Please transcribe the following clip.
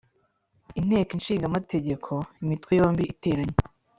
Inteko Ishinga Amategeko Imitwe yombi iteranye